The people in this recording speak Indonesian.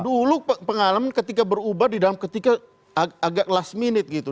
dulu pengalaman ketika berubah di dalam ketika agak last minute gitu